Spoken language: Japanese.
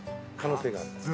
能性がある。